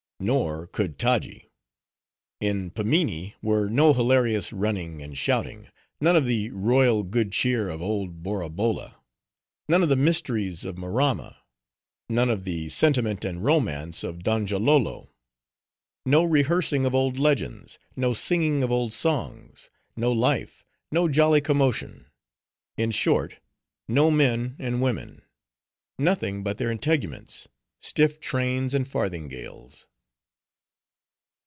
Nor could Taji. In Pimminee were no hilarious running and shouting: none of the royal good cheer of old Borabolla; none of the mysteries of Maramma; none of the sentiment and romance of Donjalolo; no rehearsing of old legends: no singing of old songs; no life; no jolly commotion: in short, no men and women; nothing but their integuments; stiff trains and farthingales.